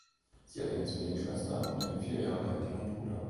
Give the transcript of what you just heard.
Sie hat eine Zwillingsschwester und einen vier Jahre älteren Bruder.